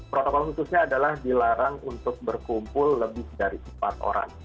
protokol khususnya adalah dilarang untuk berkumpul lebih dari empat orang